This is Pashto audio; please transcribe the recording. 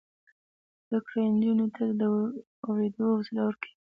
زده کړه نجونو ته د اوریدلو حوصله ورکوي.